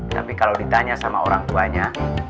tapi kalau ditanya sama orangtuanya